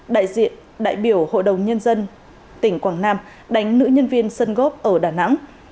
đại diện đại biểu hội đồng nhân dân tỉnh quảng nam đánh nữ nhân viên sân gốc ở đà nẵng